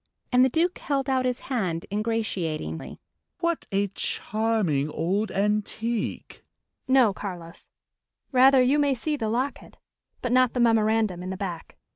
and the Duke held out his hand, ingratiatingly. "What a charming old antique!" "No, Carlos. Rather you may see the locket, but not the memorandum in the back."